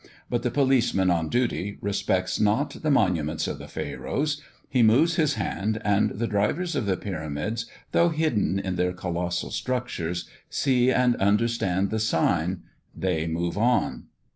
But the policeman on duty respects not the monuments of the Pharaohs; he moves his hand, and the drivers of the pyramids, though hidden in their colossal structures, see and understand the sign: they move on.